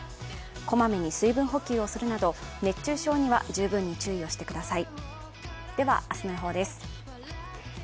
こまめに水分補給をするなど、熱中症には十分注意をしてください。